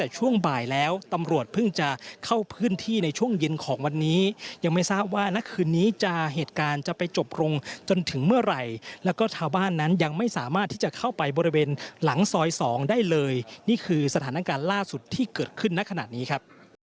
ช่วงเย็นของวันนี้ยังไม่ทราบว่านักคืนนี้จะเหตุการณ์จะไปจบลงจนถึงเมื่อไหร่แล้วก็ชาวบ้านนั้นยังไม่สามารถที่จะเข้าไปบริเวณหลังซอย๒ได้เลยนี่คือสถานการณ์ล่าสุดที่เกิดขึ้นนะขนาดนี้ครับ